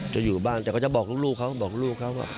จะอยู่บ้านแต่ก็จะบอกลูกเขา